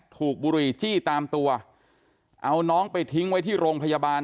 บุหรี่จี้ตามตัวเอาน้องไปทิ้งไว้ที่โรงพยาบาล